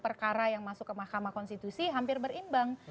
perkara yang masuk ke mahkamah konstitusi hampir berimbang